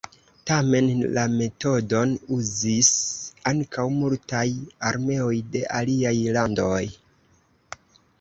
Tamen la metodon uzis ankaŭ multaj armeoj de aliaj landoj.